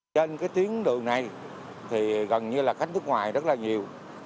trên cái tuyến đường này thì gần như là khách nước ngoài rất là nhiều